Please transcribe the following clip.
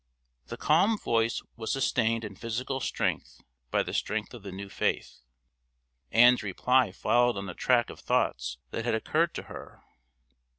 The calm voice was sustained in physical strength by the strength of the new faith. Ann's reply followed on the track of thoughts that had occurred to her.